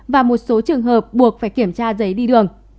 và một số trường hợp buộc phải kiểm tra giấy đi đường